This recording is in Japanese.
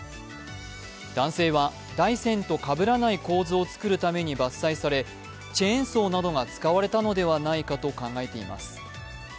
男性は、大山とかぶらない構図を作るために伐採され、チェーンソーなどが使われたのではないかと考えています。